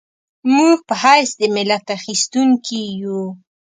موږ په حیث د ملت اخیستونکي یو.